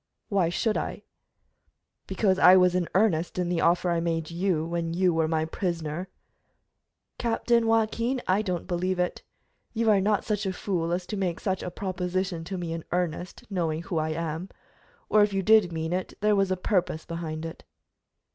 "Why should I?" "Because I was in earnest in the offer I made you when you were my prisoner." "Captain Joaquin, I don't believe it. You are not such a fool as to make such a proposition to me in earnest, knowing who I am. Or, if you did mean it, there was a purpose behind it."